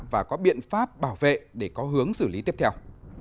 và có biện pháp bảo vệ để có hướng xử lý tiếp theo